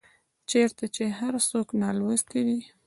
چيرته چي هر څوک نالوستي دي